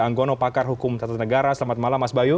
anggono pakar hukum tata negara selamat malam mas bayu